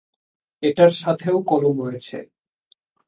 এটার সাথেও কলম রয়েছে।